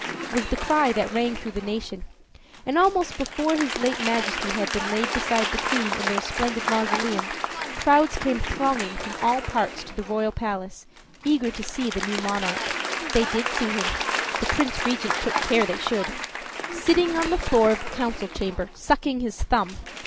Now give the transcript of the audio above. was the cry that rang through the nation, and almost before his late Majesty had been laid beside the Queen in their splendid mausoleum, crowds came thronging from all parts to the royal palace, eager to see the new monarch. They did see him, the Prince Regent took care they should, sitting on the floor of the council chamber, sucking his thumb!